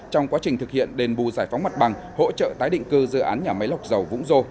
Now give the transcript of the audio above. trong quá trình thực hiện đền bù giải phóng mặt bằng hỗ trợ tái định cư dự án nhà máy lọc dầu vũng dô